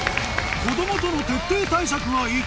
子供との徹底対策が生き